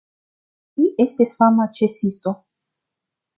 Li estis fama ĉasisto.